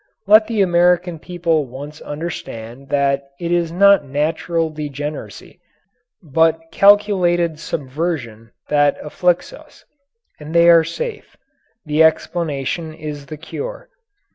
Let the American people once understand that it is not natural degeneracy, but calculated subversion that afflicts us, and they are safe. The explanation is the cure.